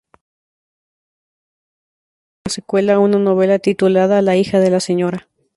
Sir Harry Johnston escribió una secuela, una novela titulada "La hija de la Sra.